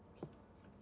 menjadi kemampuan anda